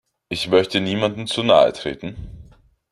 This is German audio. Ich möchte niemandem zu nahe treten.